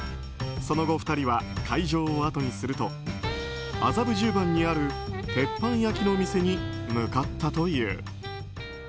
その後、２人は会場をあとにすると麻布十番にある鉄板焼きの店に向かったという。